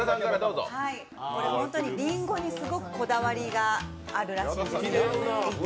これ、ホントにりんごにすごくこだわりがあるらしいんです。